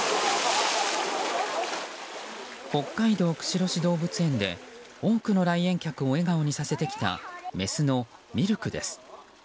北海道釧路市動物園で多くの来園客を笑顔にさせてきたメスのミルクです。